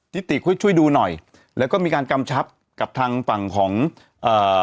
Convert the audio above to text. ติช่วยดูหน่อยแล้วก็มีการกำชับกับทางฝั่งของเอ่อ